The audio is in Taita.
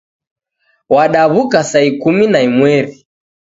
Wadaw'uka saa ikumi na imweri